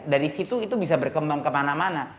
dari situ itu bisa berkembang kemana mana